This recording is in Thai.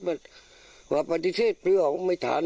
พุมปฏิเสธไม่ทัน